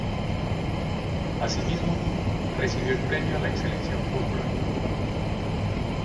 Así mismo, recibió el premio a la excelencia Fulbright.